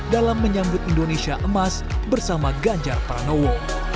dalam menyambut indonesia emas bersama ganjar pranowo